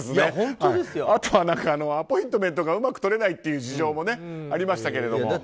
あとはアポイントメントがうまく取れないという事情もありましたけれども。